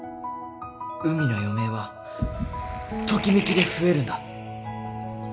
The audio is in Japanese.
うみの余命はときめきで増えるんだ